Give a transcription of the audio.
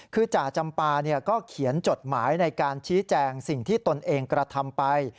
คือจ่าจำปาก็เขียนจดหมายในการชี้แจงสิ่งที่ตนเองกระทำไป